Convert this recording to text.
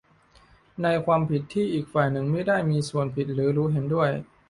ในความผิดที่อีกฝ่ายหนึ่งมิได้มีส่วนผิดหรือรู้เห็นด้วย